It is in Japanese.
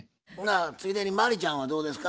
ついでに真理ちゃんはどうですか？